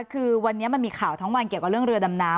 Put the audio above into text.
คือวันนี้มันมีข่าวทั้งวันเกี่ยวกับเรื่องเรือดำน้ำ